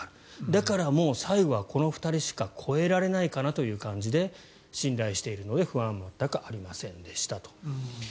だからもう最後はこの２人しか越えられないかなという感じで信頼しているので不安は全くありませんでしたと。